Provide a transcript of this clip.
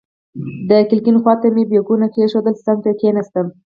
د کړکۍ خواته مې بیکونه کېښودل، څنګ ته کېناستم.